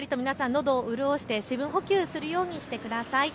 のどを潤して水分補給するようにしてください。